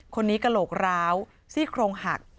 กระโหลกร้าวซี่โครงหัก